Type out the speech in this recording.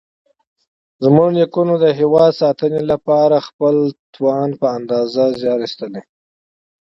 زموږ نیکونو د هېواد ساتنې لپاره خپل توان په اندازه زیار ایستلی.